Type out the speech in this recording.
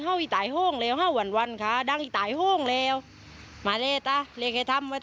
มาแร่ต่อเล่เกยิร์ธรรมไว้ต่อ